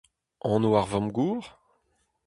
Anv ar vamm-gozh ?